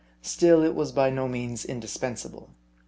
Still, it was by no means indispensable.